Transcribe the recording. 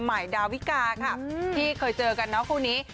มัยดาวิกาที่เคยเจอกันน้องครูนี้